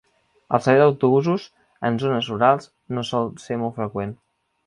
El servei d'autobusos en zones rurals no sol ser molt freqüent.